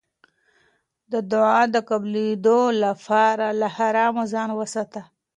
د دعا د قبلېدو لپاره له حرامو ځان وساته.